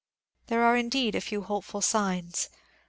There are indeed a few hopeful signs.